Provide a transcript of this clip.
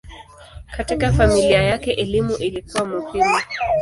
Katika familia yake elimu ilikuwa muhimu.